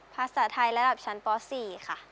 ภาษาไทยระดับชั้นป๔ค่ะ